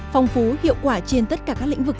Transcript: phong phú hiệu quả trên tất cả các lĩnh vực